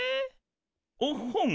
おっほん！